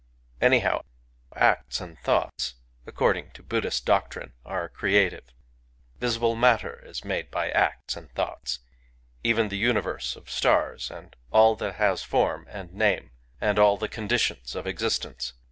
..• Anyhow, acts and thoughts, according to Buddh ist doctrine, are creative. Visible matter is made Digitized by Googk i84 GAKI by acts and thoughts, — even the universe of stars, and all that has form and name, and all the con ditions of existence.